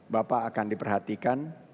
bapak akan diperhatikan